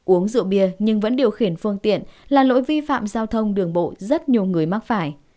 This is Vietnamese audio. uống rượu bia nhưng vẫn điều khiển phương tiện là lỗi vi phạm giao thông đường bộ rất nhiều người mắc phải